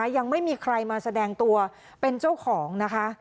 ยังไม่มีใครมาแสดงตัวเป็นเจ้าของนะคะ